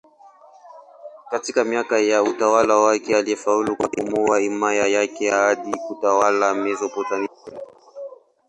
Katika miaka ya utawala wake alifaulu kupanua himaya yake hadi kutawala Mesopotamia yote.